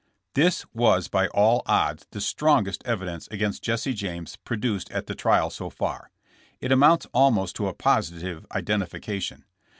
'' This was by all odds the strongest evidence against Jesse James produced at the trial so far. It amounts almost to a positive identification.